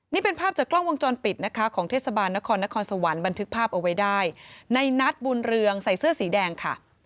นี่เป็นภาพจากกล้องวงจรปิดนะคะของเทศบาลนครนครสวรรค์บันทึกภาพเอาไว้ได้ในนัดบุญเรืองใส่เสื้อสีแดงค่ะ